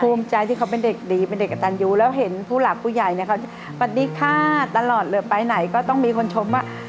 ภูมิใจที่เขาเป็นเด็กดีเป็นเด็กกระตันยูแล้วเห็นผู้หลักผู้ใหญ่เนี่ยเขาจะสวัสดีค่ะตลอดเหลือไปไหนก็ต้องมีคนชมว่า